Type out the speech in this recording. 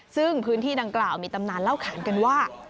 ซึ่งพื้นที่ดังกล่าวมีตำนานเล่าขานกันว่า